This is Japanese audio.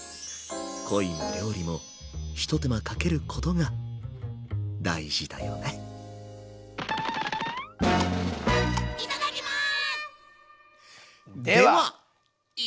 恋も料理もひと手間かけることが大事だよねではいただきます。